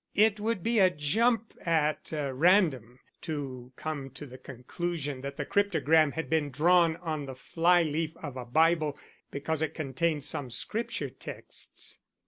"It would be a jump at random to come to the conclusion that the cryptogram had been drawn on the fly leaf of a Bible because it contained some Scripture texts.